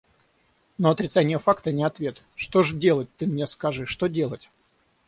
Но отрицание факта — не ответ. Что ж делать, ты мне скажи, что делать?